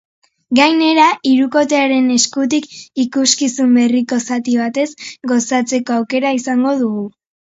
Gainera, hirukotearen eskutik, ikuskizun berriko zati batez gozatzeko aukera izango dugu.